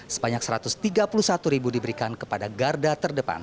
sebanyak satu ratus tiga puluh satu ribu diberikan kepada garda terdepan